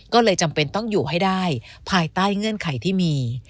ก็เลยจำเป็นต้องอยู่ให้ได้ภายใต้เงื่อนไขที่มี